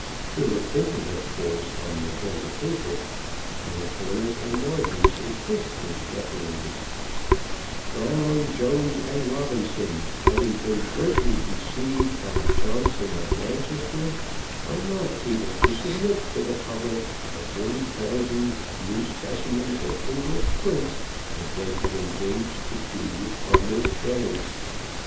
They were printed, of course, on magenta paper, and the corners and margins were tastefully decorated: Brown, Jones, and Robinson, having been greatly deceived by Johnson of Manchester, are not able to submit to the public the 40,000 new specimens of English prints, as they had engaged to do, on this day.